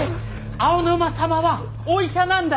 青沼様はお医者なんだよ！